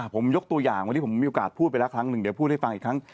ผมยกตัวอย่างวันนี้ผมมีโอกาสพูดไปแล้วครั้งหนึ่งเดี๋ยวพูดให้ฟังอีกครั้ง